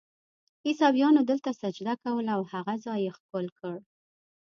عیسویانو دلته سجده کوله او هغه ځای یې ښکل کړ.